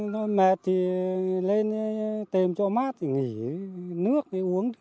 nó mệt thì lên tìm cho mát thì nghỉ nước thì uống đủ thôi